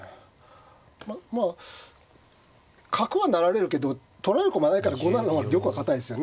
まあ角は成られるけど取られる駒ないから５七の方が玉は堅いですよね。